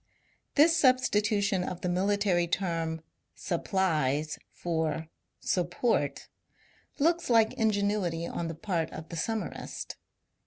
This substitution of the military term ^' supplies " for ^' sup port " looks like ingenuity on the part of the summarist.